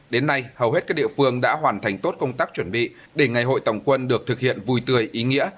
đến nay hầu hết các địa phương đã hoàn thành tốt công tác chuẩn bị để ngày hội tổng quân được thực hiện vui tươi ý nghĩa